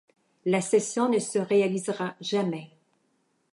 La cession ne se réalisera jamais.